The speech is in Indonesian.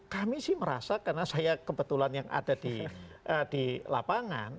kami sih merasa karena saya kebetulan yang ada di lapangan